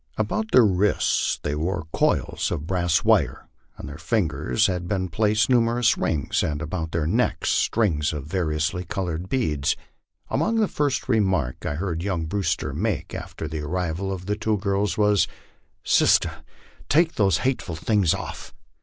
About their wrists they wore coils of brass wire ; on their fin gers had been placed numerous rings, and about their necks strings of variously colored beads. Almost the first remark I heard young Brevvster make after the arrival of the two girls was, " Sister, do take those hateful things off."